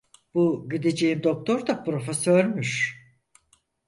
Bu gideceğim doktor da profesörmüş.